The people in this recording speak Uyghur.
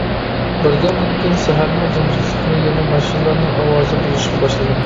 بىردەمدىن كېيىن سەھەرنىڭ جىمجىتلىقىنى يەنە ماشىنىلارنىڭ ئاۋازى بۇزۇشقا باشلىدى.